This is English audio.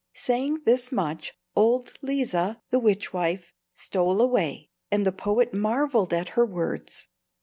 Saying this much, old Leeza, the witch wife, stole away, and the poet marvelled at her words.